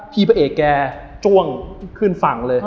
พี่พระเอกแกสั้นเข้าไปขึ้นฝั่ง